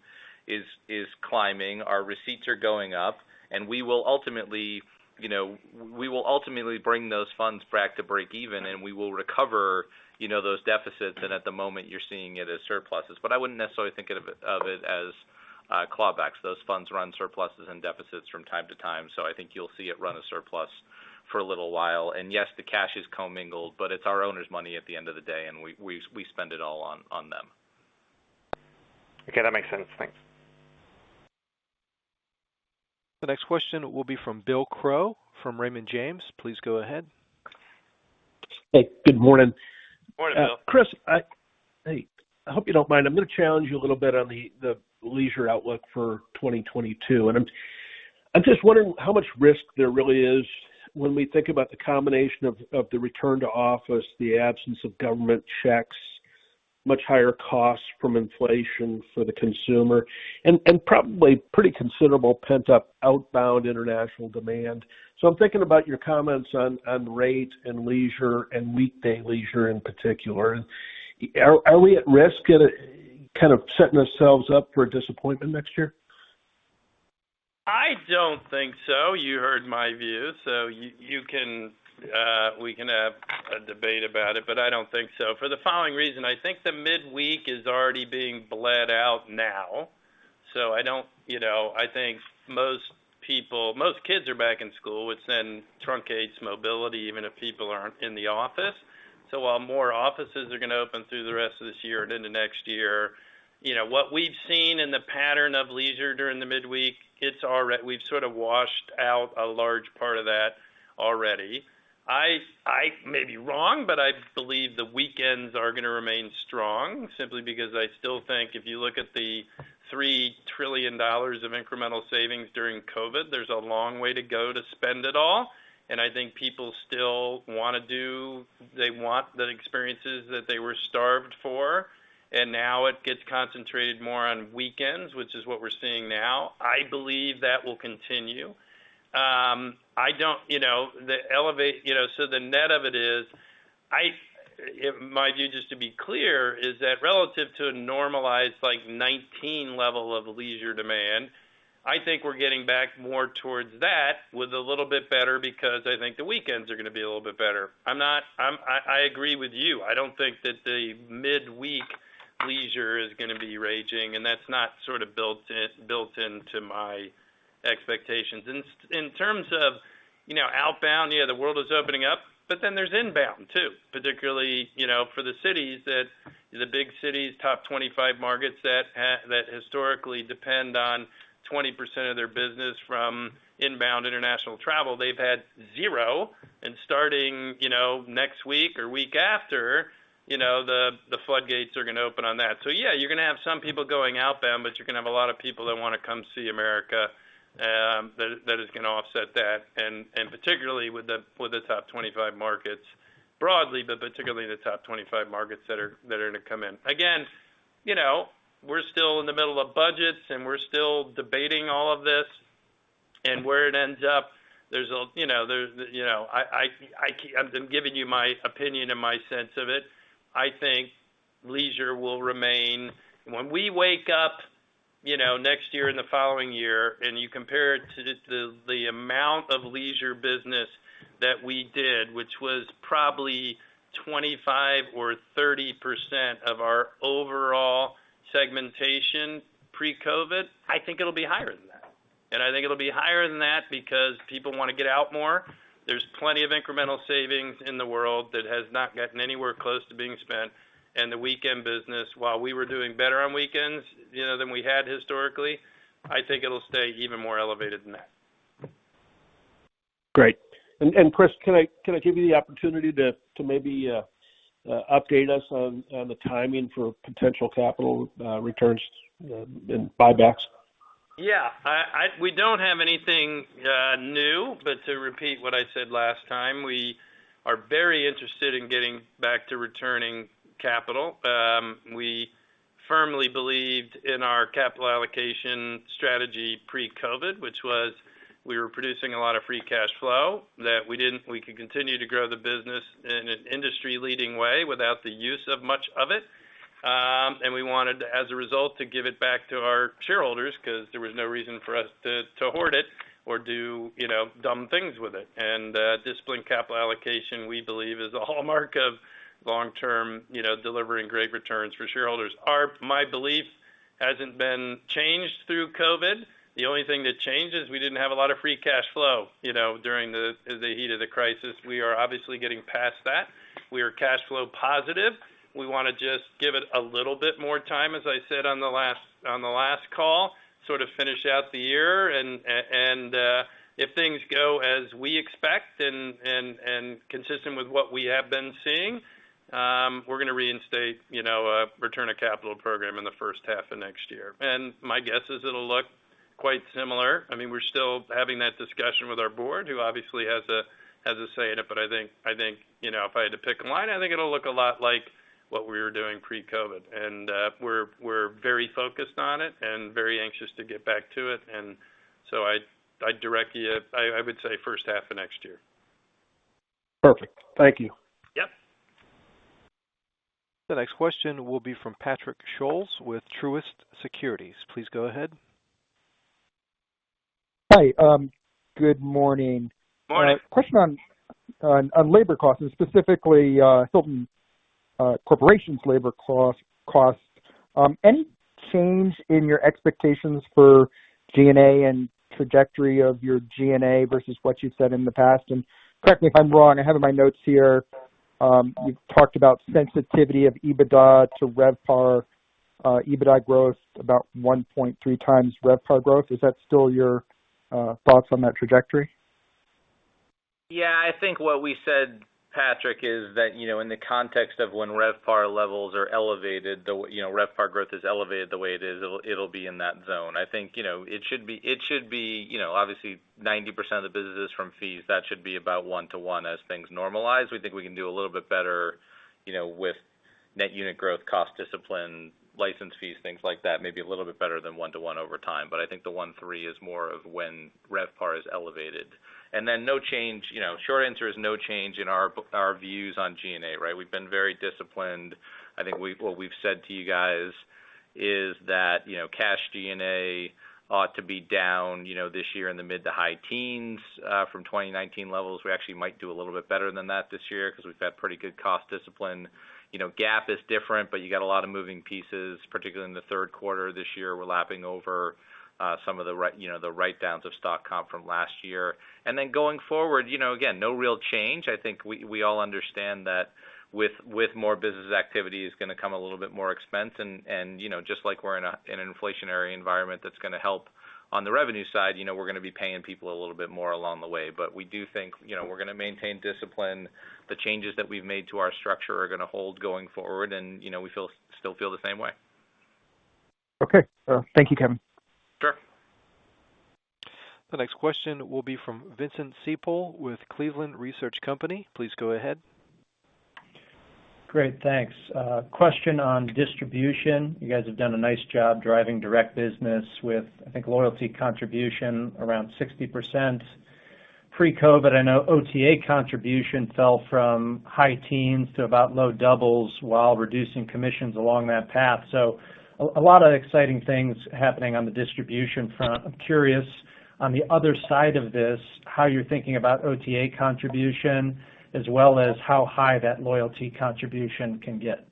S4: is climbing, our receipts are going up, and we will ultimately, you know, bring those funds back to break even, and we will recover, you know, those deficits. At the moment, you're seeing it as surpluses. I wouldn't necessarily think of it as clawbacks. Those funds run surpluses and deficits from time to time, so I think you'll see it run a surplus for a little while. Yes, the cash is commingled, but it's our owners' money at the end of the day, and we spend it all on them.
S12: Okay, that makes sense. Thanks.
S1: The next question will be from William Crow from Raymond James. Please go ahead.
S13: Hey, good morning.
S3: Morning, Will.
S13: Chris, hey, I hope you don't mind. I'm gonna challenge you a little bit on the leisure outlook for 2022. I'm just wondering how much risk there really is when we think about the combination of the return to office, the absence of government checks, much higher costs from inflation for the consumer, and probably pretty considerable pent-up outbound international demand. I'm thinking about your comments on rate and leisure and weekday leisure in particular. Are we at risk of kind of setting ourselves up for a disappointment next year?
S3: I don't think so. You heard my view, so you can, we can have a debate about it, but I don't think so. For the following reason, I think the midweek is already being bled out now, so I don't, you know, I think most kids are back in school, which then truncates mobility even if people aren't in the office. While more offices are gonna open through the rest of this year and into next year, you know, what we've seen in the pattern of leisure during the midweek, we've sort of washed out a large part of that already. I may be wrong, but I believe the weekends are gonna remain strong simply because I still think if you look at the $3 trillion of incremental savings during COVID, there's a long way to go to spend it all. I think people still want the experiences that they were starved for, and now it gets concentrated more on weekends, which is what we're seeing now. I believe that will continue. I don't you know you know so the net of it is my view just to be clear is that relative to a normalized like 2019 level of leisure demand I think we're getting back more towards that with a little bit better because I think the weekends are gonna be a little bit better. I agree with you. I don't think that the midweek leisure is gonna be raging and that's not sort of built into my expectations. In terms of you know outbound yeah the world is opening up but then there's inbound too. Particularly, you know, for the cities that, the big cities, top 25 markets that historically depend on 20% of their business from inbound international travel. They've had 0. Starting, you know, next week or week after, you know, the floodgates are gonna open on that. So yeah, you're gonna have some people going outbound, but you're gonna have a lot of people that wanna come see America, that is gonna offset that. Particularly with the top 25 markets broadly, but particularly the top 25 markets that are gonna come in. Again, you know, we're still in the middle of budgets, and we're still debating all of this and where it ends up. There's, you know, I'm giving you my opinion and my sense of it. I think leisure will remain. When we wake up, you know, next year and the following year, and you compare it to just the amount of leisure business that we did, which was probably 25 or 30% of our overall segmentation pre-COVID, I think it'll be higher than that. I think it'll be higher than that because people wanna get out more. There's plenty of incremental savings in the world that has not gotten anywhere close to being spent. The weekend business, while we were doing better on weekends, you know, than we had historically, I think it'll stay even more elevated than that.
S13: Great. Chris, can I give you the opportunity to maybe update us on the timing for potential capital returns and buybacks?
S3: Yeah. We don't have anything new, but to repeat what I said last time, we are very interested in getting back to returning capital. We firmly believed in our capital allocation strategy pre-COVID, which was we were producing a lot of free cash flow that we could continue to grow the business in an industry-leading way without the use of much of it. We wanted, as a result, to give it back to our shareholders because there was no reason for us to hoard it or do, you know, dumb things with it. Disciplined capital allocation, we believe, is a hallmark of long-term, you know, delivering great returns for shareholders. My belief hasn't been changed through COVID. The only thing that changed is we didn't have a lot of free cash flow, you know, during the heat of the crisis. We are obviously getting past that. We are cash flow positive. We wanna just give it a little bit more time, as I said on the last call, sort of finish out the year. If things go as we expect and consistent with what we have been seeing, we're gonna reinstate, you know, a return of capital program in the first half of next year. My guess is it'll look quite similar. I mean, we're still having that discussion with our board, who obviously has a say in it. I think, you know, if I had to pick a line, I think it'll look a lot like what we were doing pre-COVID. We're very focused on it and very anxious to get back to it. I would say first half of next year.
S13: Perfect. Thank you.
S3: Yep.
S1: The next question will be from Patrick Scholes with Truist Securities. Please go ahead.
S14: Hi. Good morning.
S3: Morning.
S14: A question on labor costs and specifically Hilton Corporation's labor costs. Any change in your expectations for G&A and trajectory of your G&A versus what you've said in the past? Correct me if I'm wrong, I have in my notes here, you've talked about sensitivity of EBITDA to RevPAR, EBITDA growth about 1.3 times RevPAR growth. Is that still your thoughts on that trajectory?
S4: Yeah. I think what we said, Patrick, is that, you know, in the context of when RevPAR levels are elevated, you know, RevPAR growth is elevated the way it is, it'll be in that zone. I think, you know, it should be, you know, obviously 90% of the business is from fees. That should be about 1 to 1 as things normalize. We think we can do a little bit better, you know, with net unit growth, cost discipline, license fees, things like that, maybe a little bit better than 1 to 1 over time, but I think the 1:3 is more of when RevPAR is elevated. No change, you know, short answer is no change in our views on G&A, right? We've been very disciplined. What we've said to you guys is that, you know, cash G&A ought to be down, you know, this year in the mid- to high-teens% from 2019 levels. We actually might do a little bit better than that this year 'cause we've had pretty good cost discipline. You know, GAAP is different, but you got a lot of moving pieces, particularly in the third quarter this year. We're lapping over some of the write-downs of stock comp from last year. Going forward, you know, again, no real change. I think we all understand that with more business activity is gonna come a little bit more expense and, you know, just like we're in an inflationary environment that's gonna help on the revenue side, you know, we're gonna be paying people a little bit more along the way. We do think, you know, we're gonna maintain discipline. The changes that we've made to our structure are gonna hold going forward and, you know, we still feel the same way.
S14: Okay. Thank you, Kevin.
S4: Sure.
S1: The next question will be from Vincent Ciepiel with Cleveland Research Company. Please go ahead.
S15: Great. Thanks. Question on distribution. You guys have done a nice job driving direct business with, I think, loyalty contribution around 60%. Pre-COVID, I know OTA contribution fell from high teens to about low doubles while reducing commissions along that path. A lot of exciting things happening on the distribution front. I'm curious on the other side of this, how you're thinking about OTA contribution as well as how high that loyalty contribution can get.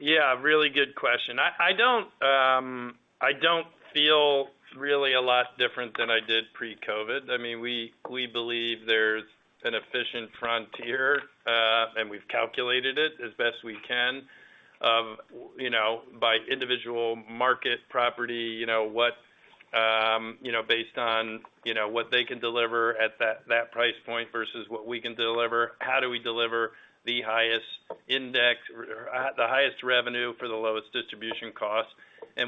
S3: Yeah, really good question. I don't feel really a lot different than I did pre-COVID. I mean, we believe there's an efficient frontier, and we've calculated it as best we can, you know, by individual market property, you know, what, you know, based on, you know, what they can deliver at that price point versus what we can deliver, how do we deliver the highest index or at the highest revenue for the lowest distribution cost.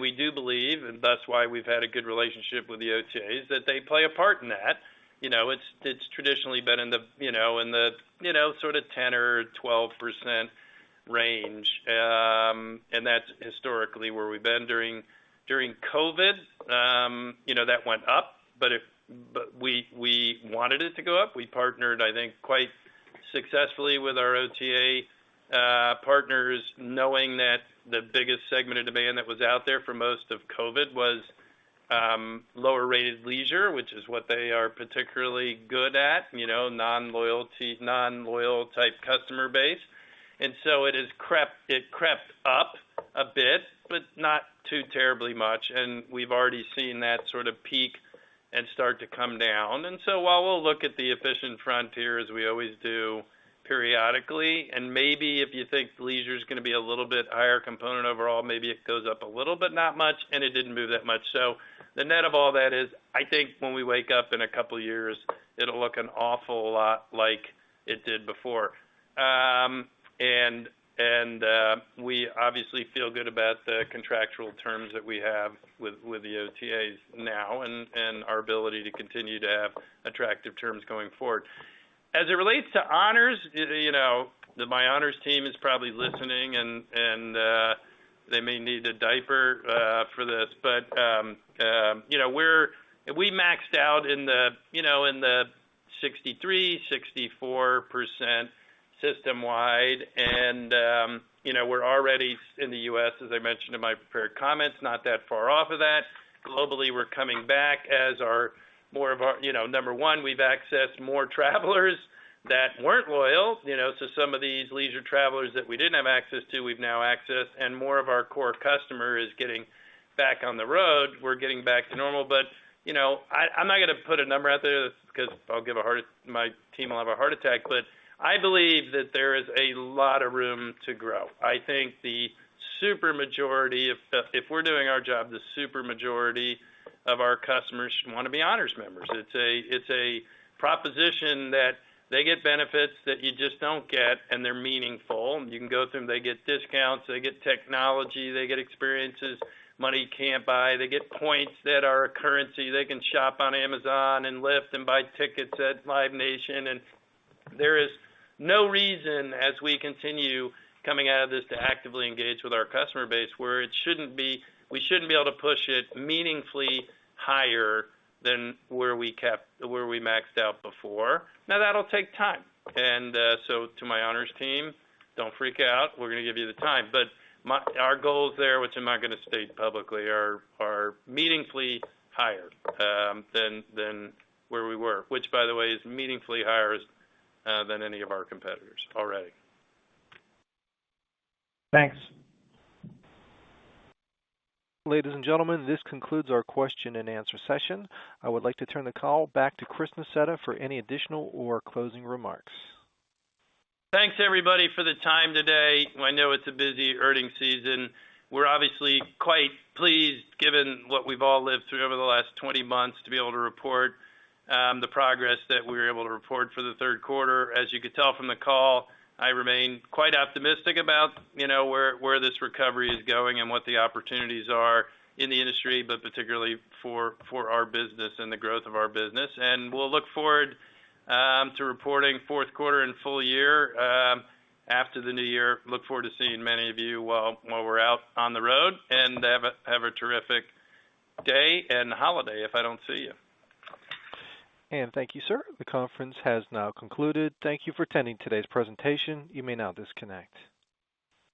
S3: We do believe, and that's why we've had a good relationship with the OTAs, that they play a part in that. You know, it's traditionally been in the, you know, sort of 10%-12% range. That's historically where we've been during COVID. You know, that went up, but we wanted it to go up. We partnered, I think, quite successfully with our OTA partners, knowing that the biggest segment of demand that was out there for most of COVID was lower rated leisure, which is what they are particularly good at, you know, non-loyalty type customer base. It has crept up a bit, but not too terribly much. We've already seen that sort of peak and start to come down. While we'll look at the efficient frontier as we always do periodically, and maybe if you think leisure is gonna be a little bit higher component overall, maybe it goes up a little, but not much, and it didn't move that much. The net of all that is, I think when we wake up in a couple years, it'll look an awful lot like it did before. We obviously feel good about the contractual terms that we have with the OTAs now and our ability to continue to have attractive terms going forward. As it relates to Honors, you know, my Honors team is probably listening and they may need a diaper for this. We maxed out, you know, in the 63%-64% system-wide. We're already in the U.S., as I mentioned in my prepared comments, not that far off of that. Globally, we're coming back as more of our number one. We've accessed more travelers that weren't loyal. Some of these leisure travelers that we didn't have access to, we've now accessed, and more of our core customer is getting back on the road. We're getting back to normal. You know, I'm not gonna put a number out there because my team will have a heart attack, but I believe that there is a lot of room to grow. I think if we're doing our job, the super majority of our customers wanna be Honors members. It's a proposition that they get benefits that you just don't get, and they're meaningful. You can go through them. They get discounts, they get technology, they get experiences money can't buy. They get points that are a currency. They can shop on Amazon and Lyft and buy tickets at Live Nation. There is no reason, as we continue coming out of this, to actively engage with our customer base, we shouldn't be able to push it meaningfully higher than where we maxed out before. Now, that'll take time. To my Honors team, don't freak out. We're gonna give you the time. Our goals there, which I'm not gonna state publicly, are meaningfully higher than where we were, which, by the way, is meaningfully higher than any of our competitors already.
S15: Thanks.
S1: Ladies and gentlemen, this concludes our question and answer session. I would like to turn the call back to Chris Nassetta for any additional or closing remarks.
S3: Thanks, everybody, for the time today. I know it's a busy earnings season. We're obviously quite pleased, given what we've all lived through over the last 20 months, to be able to report the progress that we were able to report for the third quarter. As you could tell from the call, I remain quite optimistic about, you know, where this recovery is going and what the opportunities are in the industry, but particularly for our business and the growth of our business. We'll look forward to reporting fourth quarter and full year after the new year. Look forward to seeing many of you while we're out on the road, and have a terrific day and holiday if I don't see you.
S1: Thank you, sir. The conference has now concluded. Thank you for attending today's presentation. You may now disconnect.